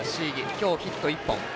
今日ヒット１本。